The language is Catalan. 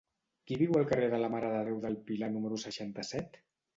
Qui viu al carrer de la Mare de Déu del Pilar número seixanta-set?